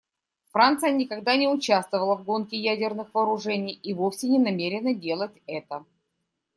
Франция никогда не участвовала в гонке ядерных вооружений и вовсе не намерена делать это.